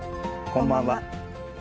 こんばんは。